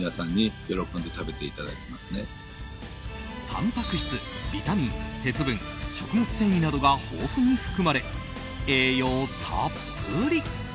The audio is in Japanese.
たんぱく質、ビタミン、鉄分食物繊維などが豊富に含まれ栄養たっぷり！